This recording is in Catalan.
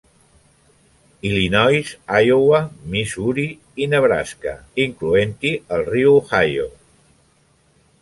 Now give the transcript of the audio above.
Illinois, Iowa, Missouri i Nebraska, incloent-hi el riu Ohio.